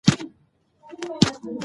يو کمر روش مي تر غاښو لاندي کو